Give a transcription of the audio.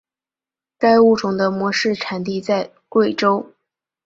该物种的模式产地在贵州。